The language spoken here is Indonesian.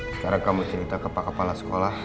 sekarang kamu cerita ke pak kepala sekolah